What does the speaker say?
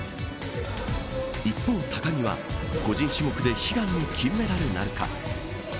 一方、高木は個人種目で悲願の金メダルなるか。